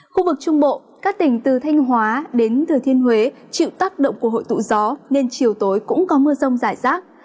khu vực trung bộ các tỉnh từ thanh hóa đến thừa thiên huế chịu tác động của hội tụ gió nên chiều tối cũng có mưa rông rải rác